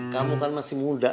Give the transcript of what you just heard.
kamu kan masih muda